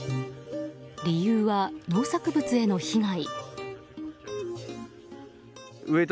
理由は、農作物への被害。